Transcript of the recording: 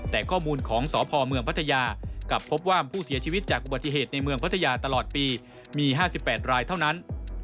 แต่ข้อมูลของสพเมืองพัทยากลับพบว่าผู้เสียชีวิตจากอุบัติเหตุในเมืองพัทยาตลอดปีมี๕๘รายเท่านั้น